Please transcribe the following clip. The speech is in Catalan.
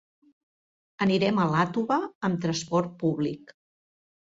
Anirem a Iàtova amb transport públic.